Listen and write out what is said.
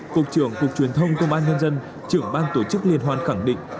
phục trưởng cục truyền thông công an nhân dân trưởng ban tổ chức liên hoàn khẳng định